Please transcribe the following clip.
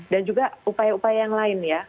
dan juga upaya upaya yang lain ya